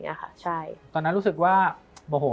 มันทำให้ชีวิตผู้มันไปไม่รอด